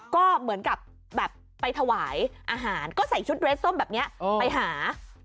ก็เหมือนกับแบบไปถวายอาหารก็ใส่ชุดเรสส้มแบบนี้ไปหา